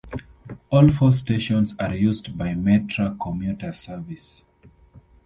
All four stations are used by Metra commuter service.